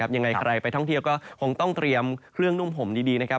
ยังไงใครไปท่องเที่ยวก็คงต้องเตรียมเครื่องนุ่มผมดีนะครับ